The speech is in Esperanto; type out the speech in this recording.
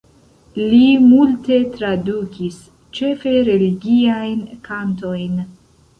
Li multe tradukis, ĉefe religiajn kantojn.